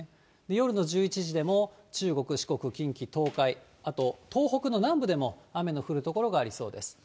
夜の１１時でも中国、四国、近畿、東海、あと東北の南部でも雨の降る所がありそうです。